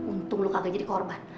untung lu kagak jadi korban